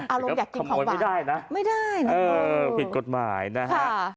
อารมณ์อยากกินของบางขโมยไม่ได้นะไม่ได้ผิดกฎหมายนะฮะ